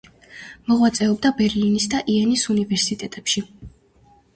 მოღვაწეობდა ბერლინის და იენის უნივერსიტეტებში.